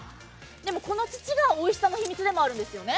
でもこの土がおいしさの秘密でもあるんですよね。